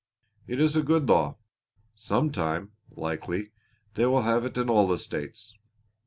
It is a good law. Some time, likely, they will have it in all the states."